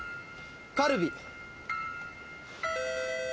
カルビ。